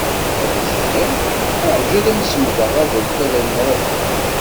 Ad as-d-yerr: Arju ad semdeɣ aḍref-a ad n-ruḥeɣ.